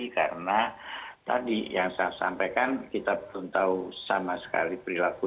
karena tadi yang saya sampaikan kita belum tahu sama sekali perilaku